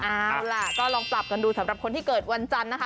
เอาล่ะก็ลองปรับกันดูสำหรับคนที่เกิดวันจันทร์นะคะ